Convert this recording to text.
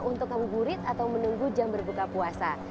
dan memilih untuk ngabuburit atau menunggu jam berbuka puasa